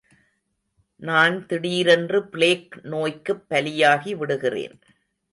நான் திடீரென்று பிளேக் நோய்க்குப் பலியாகி விடுகிறேன்.